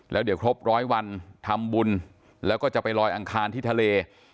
แล้วเดี๋ยวครบร้อยวันทำบุญแล้วก็จะไปลอยอังคารที่ทะเล